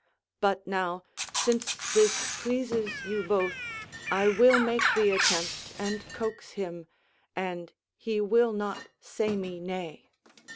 But now, since this pleases you both, I will make the attempt and coax him, and he will not say me nay."